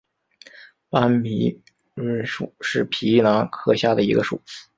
斑皮蠹属是皮蠹科下的一个属。